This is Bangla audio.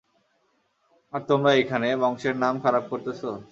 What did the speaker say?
আর তোমরা এইখানে, বংশের নাম খারাপ করতেসো!